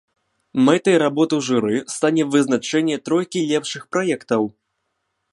Мэтай работы журы стане вызначэнне тройкі лепшых праектаў.